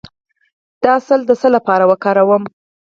د عسل د څه لپاره وکاروم؟